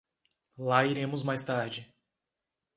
lá iremos mais tarde